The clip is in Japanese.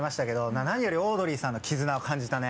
何よりオードリーさんの絆を感じたね。